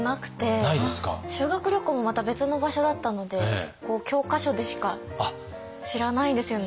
修学旅行もまた別の場所だったので教科書でしか知らないんですよね。